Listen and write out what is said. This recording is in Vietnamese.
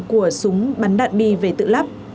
của súng bắn đạn bi về tự lắp